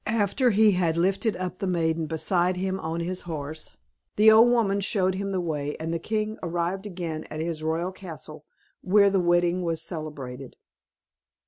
After he had lifted up the maiden beside him on his horse, the old woman showed him the way, and the king arrived again at his royal castle, where the wedding was celebrated.